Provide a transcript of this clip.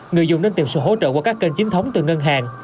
người dùng nên tìm sự hỗ trợ qua các kênh chính thống từ ngân hàng